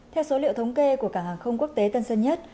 theo số liệu thống kê của cảng hàng không quốc tế tân sơn nhất